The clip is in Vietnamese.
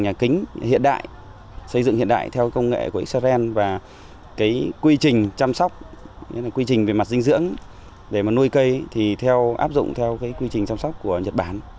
nhà kính hiện đại xây dựng hiện đại theo công nghệ của xrn và quy trình chăm sóc quy trình về mặt dinh dưỡng để nuôi cây áp dụng theo quy trình chăm sóc của nhật bản